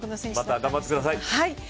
また頑張ってください。